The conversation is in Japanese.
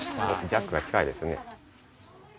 ジャックが近いですね。